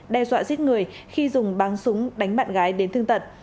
đe dọa giết người khi dùng băng súng đánh bạn gái đến thương tật